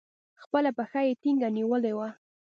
خپله پښه يې ټينگه نيولې وه.